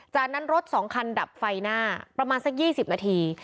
จากนั้นรถ๒คันดับไฟหน้าประมาณสัก๒๐นาที